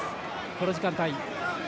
この時間帯。